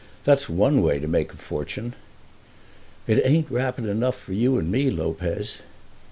That's one way to make a fortune." "It ain't rapid enough for you and me, Lopez."